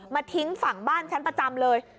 ทิ้งฝั่งบ้านฉันประจำเลย